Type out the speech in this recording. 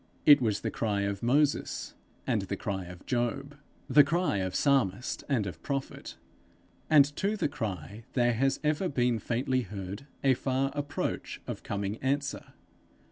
It was the cry of Moses and the cry of Job, the cry of psalmist and of prophet; and to the cry, there has ever been faintly heard a far approach of coming answer.